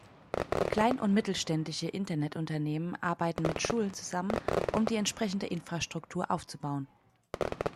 Klein- und mittelständische Internetunternehmen arbeiten mit Schulen zusammen, um die entsprechende Infrastruktur aufzubauen.